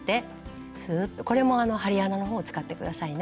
これも針穴のほうを使って下さいね。